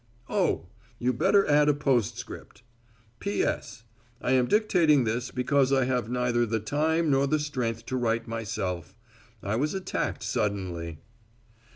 "Oh, you better add a postscript P.S. I am dictating this because I have neither the time nor the strength to write myself. I was attacked suddenly."